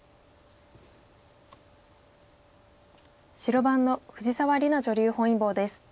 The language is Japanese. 白番の藤沢里菜女流本因坊です。